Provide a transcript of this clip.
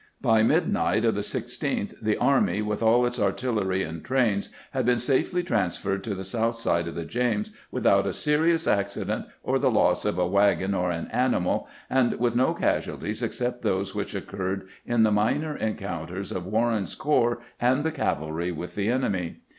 By midnight of the 16th the army, with all its artil lery and trains, had been safely transferred to the south side of the James without a serious accident or the loss of a wagon or an animal, and with no casualties except those which occurred in the minor encounters of "War ren's corps and the cavalry with the enemy.